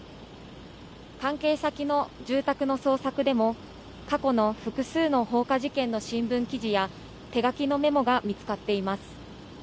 関係先の住宅の捜索でも、過去の複数の放火事件の新聞記事や、手書きのメモが見つかっています。